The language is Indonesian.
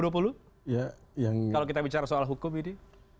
kalau kita bicara soal hukum ini